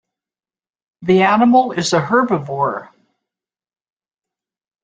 The animal is a herbivore.